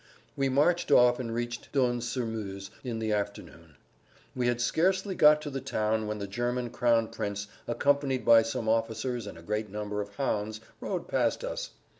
We marched off and reached Dun sur Meuse in the afternoon. We had scarcely got to the town when the German Crown Prince, accompanied by some officers and a great number of hounds, rode past us.